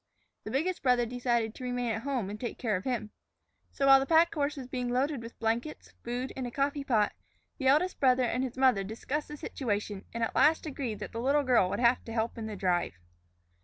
The biggest brother decided to remain at home and take care of him. So, while the pack horse was being loaded with blankets, food, and a coffee pot, the eldest brother and his mother discussed the situation and at last agreed that the little girl would have to help in the drive.